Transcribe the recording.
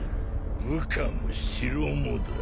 部下も城もだ。